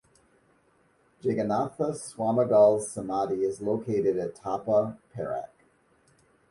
Jeganatha Swamigal's Samadhi is located at Tapah, Perak.